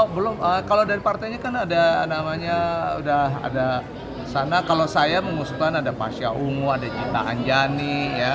oh belum kalau dari partainya kan ada namanya kalau saya mengusulkan ada pak syawungu ada cinta anjani